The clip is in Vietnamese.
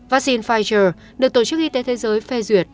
vaccine pfizer được tổ chức y tế thế giới phê duyệt